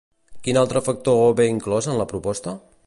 Quin altre factor ve inclòs en la proposta?